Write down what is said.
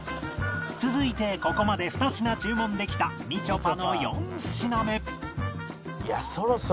続いてここまで２品注文できたみちょぱの４品目